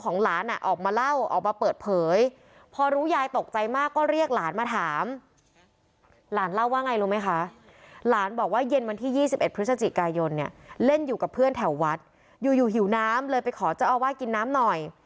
เนี่ยเล่นอยู่กับเพื่อนแถววัดอยู่อยู่หิวน้ำเลยไปขอเจ้าอาวาสกินน้ำหน่อย